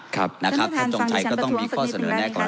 ครับท่านประธานฟังดิฉันประท้วงสักนิดหนึ่งแล้วนะคะท่านประธาน